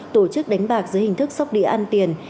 tổ chức đánh bạc dưới hình thức sóc địa ăn tiền